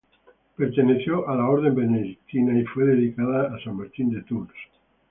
Perteneció a la Orden Benedictina y fue dedicada a san Martín de Tours.